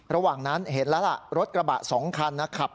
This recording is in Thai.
ระหว่างนั้นเห็นแล้วล่ะรถกระบะ๒คันนะครับ